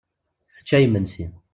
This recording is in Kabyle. Tečča imensi.